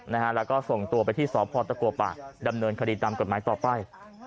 แล้วก็ส่งตัวไปที่สพตะกัวปากดำเนินคดีตามกฎหมายต่อไป